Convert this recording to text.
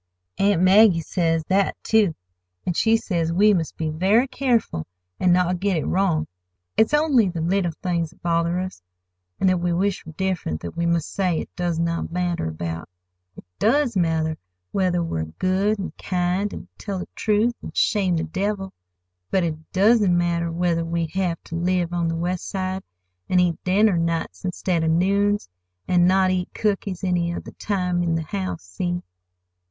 Aunt Maggie says that, too; an' she says we must be very careful an' not get it wrong. It's only the little things that bother us, an' that we wish were different, that we must say 'It doesn't matter' about. It does matter whether we're good an' kind an' tell the truth an' shame the devil; but it doesn't matter whether we have ter live on the West Side an' eat dinner nights instead of noons, an' not eat cookies any of the time in the house,—see?"